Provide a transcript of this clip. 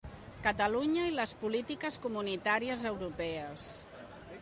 Catalunya i les polítiques comunitàries europees.